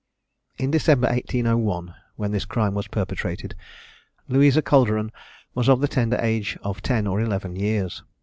In December 1801, when this crime was perpetrated, Louisa Calderon was of the tender age of ten or eleven years.